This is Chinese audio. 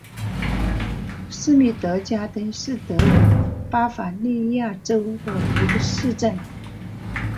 施米德加登是德国巴伐利亚州的一个市镇。